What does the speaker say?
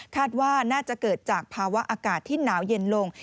ว่าน่าจะเกิดจากภาวะอากาศที่หนาวเย็นลง